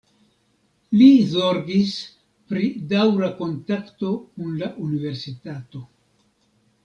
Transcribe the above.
Li zorgis pri daŭra kontakto kun la Universitato.